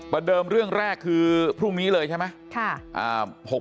เดิมเรื่องแรกคือพรุ่งนี้เลยใช่ไหม